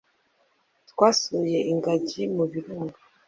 Twasuye ingagi mu birunga